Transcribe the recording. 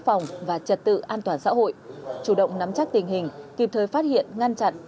phòng và trật tự an toàn xã hội chủ động nắm chắc tình hình kịp thời phát hiện ngăn chặn